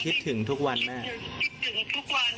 คิดถึงผู้ใจมาก